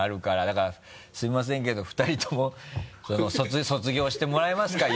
だからすみませんけど２人とも卒業してもらえますか？